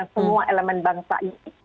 semua elemen bangsa ini